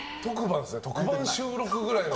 特番収録くらいの。